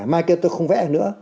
mai kia tôi không vẽ nữa